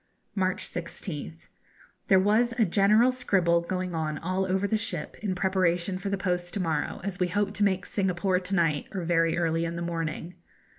March 16th. There was a general scribble going on all over the ship, in preparation for the post to morrow, as we hope to make Singapore to night, or very early in the morning.